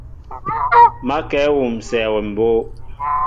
Ma kɛ wusɛ awem mbóʼ.